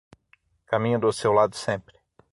Caminho do seu lado sempre